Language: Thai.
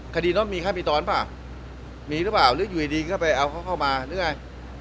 คดีน้องมีค่ามีตอนเปล่ามีหรือเปล่าหรืออยู่ดีก็ไปเอาเขาเข้ามาหรือไง